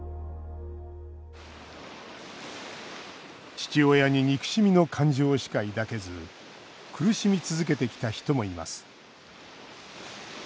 父親に憎しみの感情しか抱けず苦しみ続けてきた人もいます。